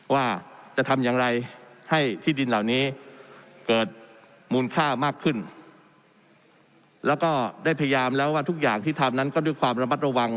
ว่าจะทำอย่างไรให้ที่ดินเหล่านี้เกิดมูลค่ามากขึ้นแล้วก็ได้พยายามแล้วว่าทุกอย่างที่ทำนั้นก็ด้วยความระมัดระวัง